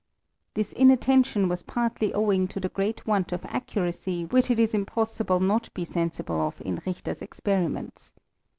This inattention was partly owing to the great want of accuracy which it is impossible not be sensible of in Richter's experiments.